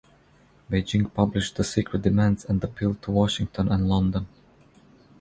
Beijing published the secret demands and appealed to Washington and London.